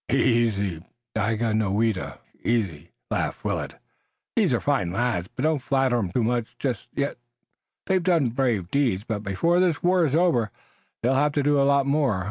"Easy, Daganoweda, easy!" laughed Willet. "These are fine lads, but don't flatter 'em too much just yet. They've done brave deeds, but before this war is over they'll have to do a lot more.